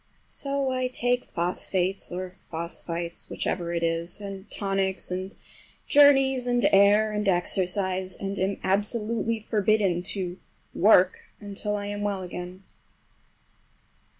So I take phosphates or phosphites—whichever it is, and tonics, and journeys, and air, and exercise, and am absolutely forbidden to "work" until I am well again.